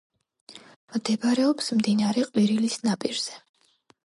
მდებარეობს მდინარე ყვირილის ნაპირზე.